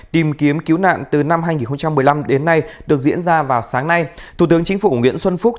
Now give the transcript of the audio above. tìm kiếm cứu nạn từ năm hai nghìn một mươi năm đến nay được diễn ra vào sáng nay thủ tướng chính phủ nguyễn xuân phúc